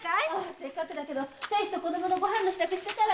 せっかくだけど亭主と子どものご飯の支度してから。